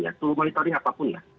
itu monitoring apapun lah